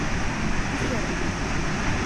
D icerrig!